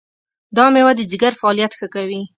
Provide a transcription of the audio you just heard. دا مېوه د ځیګر فعالیت ښه کوي.